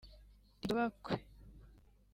ryubakwe